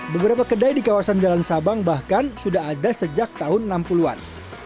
beberapa kedai di kawasan jalan sabang bahkan sudah ada sejak tahun enam puluh an